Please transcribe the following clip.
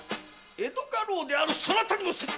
江戸家老であるそなたにも責任がある！